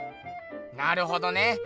なるほどね。